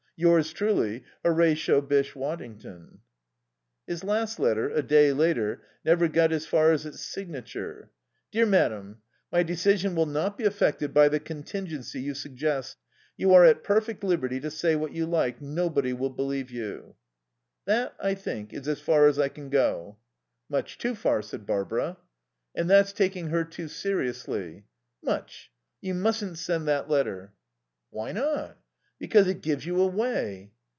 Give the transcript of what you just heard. "Yours truly, "HORATIO BYSSHE WADDINGTON." His last letter, a day later, never got as far as its signature. "DEAR MADAM: "My decision will not be affected by the contingency you suggest. You are at perfect liberty to say what you like. Nobody will believe you." "That, I think, is as far as I can go." "Much too far," said Barbara. "And that's taking her too seriously." "Much. You mustn't send that letter." "Why not?" "Because it gives you away."